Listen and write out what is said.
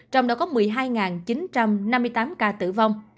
trong đó có một mươi hai chín trăm năm mươi tám ca tử vong